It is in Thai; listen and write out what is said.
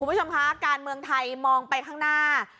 คุณผู้ชมคะการเมืองไทยมองไปข้างหน้า